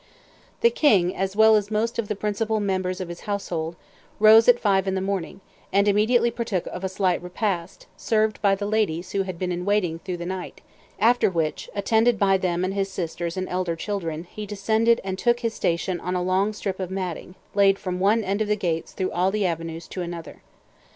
The king, as well as most of the principal members of his household, rose at five in the morning, and immediately partook of a slight repast, served by the ladies who had been in waiting through the night; after which, attended by them and his sisters and elder children, he descended and took his station on a long strip of matting, laid from one of the gates through all the avenues to another.